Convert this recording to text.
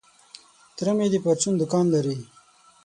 تره مي د پرچون دوکان لري .